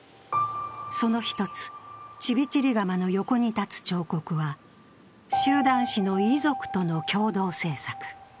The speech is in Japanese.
その１つ、チビチリガマの横に建つ彫刻は集団死の遺族との共同製作。